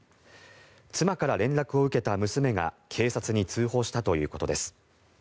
妻から連絡を受けた娘が警察に通報したということです。